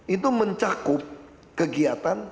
itu mencakup kegiatan